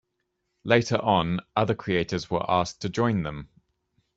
Later on, other creators were asked to join them.